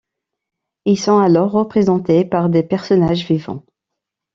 Ils sont alors représentés par des personnages vivants.